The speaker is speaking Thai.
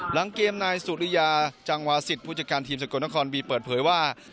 หลังเกมนายสุริยาจังวาสิตผู้จัดการทีมสกลนครบีเปิดเผยว่า